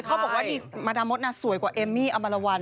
เขาบอกว่ามาดามดสวยกว่าเอมมี่อมรวรรณ